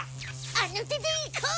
あの手でいこう！